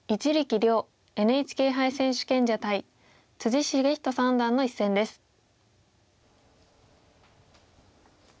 遼ＮＨＫ杯選手権者対篤仁三段の一戦です。